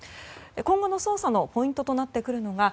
今後の捜査のポイントとなってくるのが